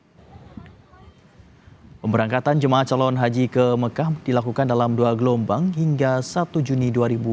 hai pemberangkatan jemaah calon haji ke mekah dilakukan dalam dua gelombang hingga satu juni